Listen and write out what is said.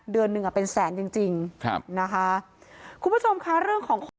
เดือนหนึ่งอ่ะเป็นแสนจริงจริงครับนะคะคุณผู้ชมค่ะเรื่องของความ